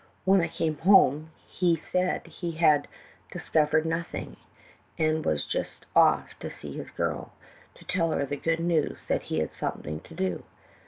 When I came home he said he had discovered nothing, and was just off to see his girl to tell her the good news that he had something to do.